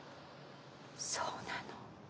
そうなの。